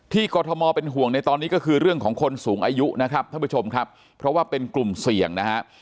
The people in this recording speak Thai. กรทมเป็นห่วงในตอนนี้ก็คือเรื่องของคนสูงอายุนะครับท่านผู้ชมครับเพราะว่าเป็นกลุ่มเสี่ยงนะฮะ